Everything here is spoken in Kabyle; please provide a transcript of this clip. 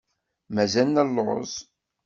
Mazal nelluẓ.